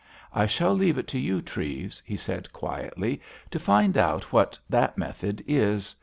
I shall leave it to you, Treves," he said quietly, "to find out what that method is.